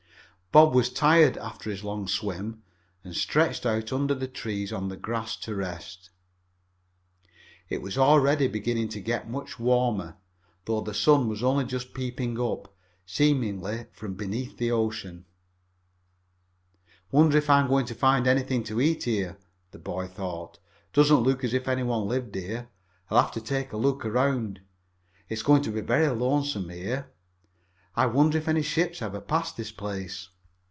Bob was tired after his long swim and stretched out under the trees on the grass to rest. It was already beginning to get much warmer, though the sun was only just peeping up, seemingly from beneath the ocean. "Wonder if I'm going to find anything to eat here," the boy thought. "Doesn't look as if any one lived here. I'll have to take a look around. It's going to be very lonesome here. I wonder if any ships ever pass this place?"